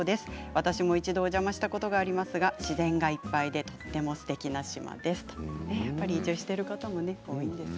私も一度お邪魔したことがありますが自然がいっぱいでとてもすてきな島でしたということです。